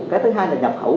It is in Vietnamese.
cái thứ hai là nhập hậu